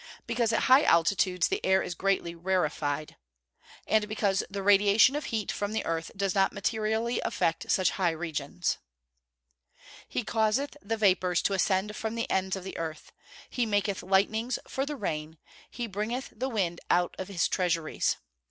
Because at high altitudes the air is greatly rarefied. And because the radiation of heat from the earth does not materially affect such high regions. [Verse: "He causeth the vapours to ascend from the ends of the earth: he maketh lightnings for the rain: he bringeth the wind out of his treasuries."